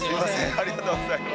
ありがとうございます。